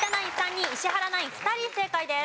人石原ナイン２人正解です。